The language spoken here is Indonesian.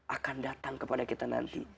akan datang kepada kita nanti